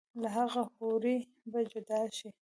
لۀ هغې حورې به جدا شي